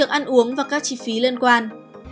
các chi phí liên quan